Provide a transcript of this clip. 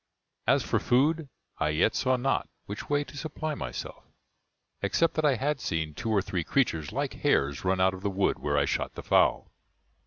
As for food, I yet saw not which way to supply myself, except that I had seen two or three creatures like hares run out of the wood where I shot the fowl.